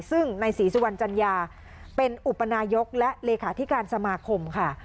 ซึ่งในศรีสุวรรณจัญญาเป็นอุปนายกและเลขาธิการสมาคมค่ะ